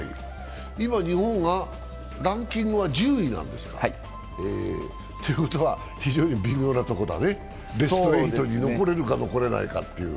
今、日本はランキングは１０位なんｄすか。ということは非常に微妙なとこだね、ベスト８に残れるか残れないかという。